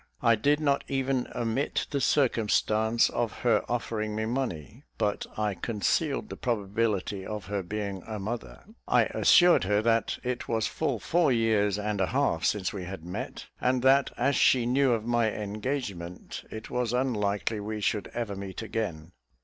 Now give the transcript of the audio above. I did not even omit the circumstance of her offering me money; but I concealed the probability of her being a mother. I assured her that it was full four years and a half since we had met; and that as she knew of my engagement, it was unlikely we should ever meet again.